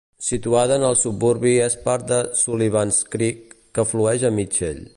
Situada en el suburbi és part de Sullivans Creek, que flueix a Mitchell.